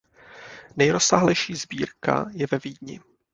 Nejrozsáhlejší sbírka je ve Vídni.